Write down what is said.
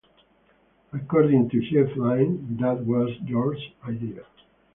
According to Jeff Lynne, That was George's idea.